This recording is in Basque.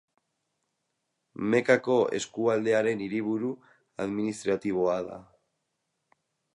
Mekako eskualdearen hiriburu administratiboa da.